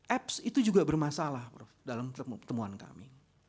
apps itu juga bermasalah prof dalam temuan kami